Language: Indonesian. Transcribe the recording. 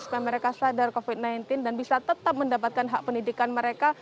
supaya mereka sadar covid sembilan belas dan bisa tetap mendapatkan hak pendidikan mereka